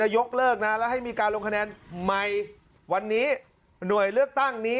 ยกเลิกนะแล้วให้มีการลงคะแนนใหม่วันนี้หน่วยเลือกตั้งนี้